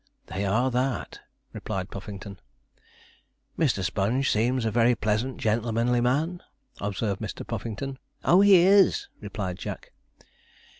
'They are that,' replied Puffington. 'Mr. Sponge seems a very pleasant, gentlemanly man,' observed Mr. Puffington. 'Oh, he is,' replied Jack.